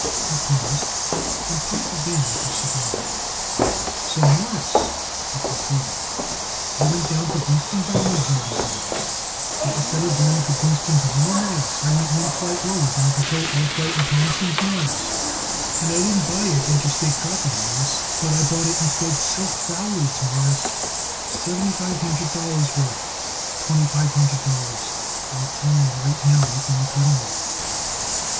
He paused and puffed again at his cigar. "So, Mawruss," he concluded, "I went down to Gunst & Baumer's building, Mawruss; but instead of going to Gunst & Baumer, Mawruss, I went one flight lower down to Hill, Arkwright & Thompson's, Mawruss, and I didn't buy it Interstate Copper, Mawruss, but I bought it instead silk foulards, Mawruss seventy five hundred dollars' worth for twenty five hundred dollars, and it's laying right now up in the cutting room."